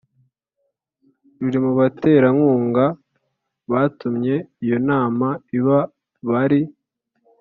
ruri mubaterankunga batumye iyo nama iba bari